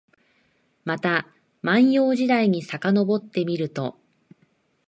また万葉時代にさかのぼってみると、